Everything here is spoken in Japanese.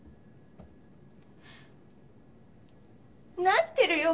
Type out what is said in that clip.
なってるよ